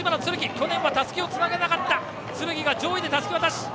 去年はたすきをつなげなかった徳島のつるぎがたすき渡し。